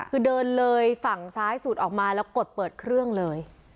คือเดินเลยฝั่งซ้ายสุดออกมาแล้วกดเปิดเครื่องเลย